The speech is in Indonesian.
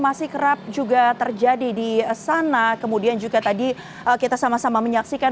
masih kerap juga terjadi di sana kemudian juga tadi kita sama sama menyaksikan